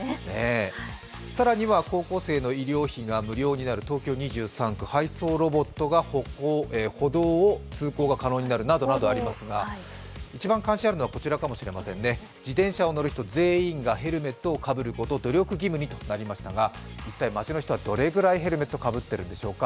更には高校生の医療費が無料になる、東京２３区、配送ロボットが歩道を通行が可能になるなどなどありますが、一番関心があるのはこちらかもしれませんね、自転車に乗る人全員がヘルメットをかぶること、努力義務にということになりましたが、一体街の人はどれぐらいの人がヘルメットをかぶっているんでしょうか。